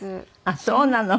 あっそうなの。